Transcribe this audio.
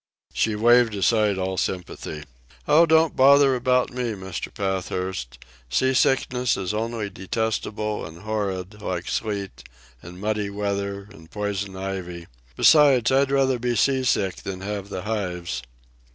She waved aside all sympathy. "Oh, don't bother about me, Mr. Pathurst. Sea sickness is only detestable and horrid, like sleet, and muddy weather, and poison ivy; besides, I'd rather be sea sick than have the hives."